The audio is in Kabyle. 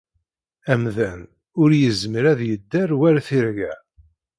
Amdan ur yezmir ad yedder war tirga.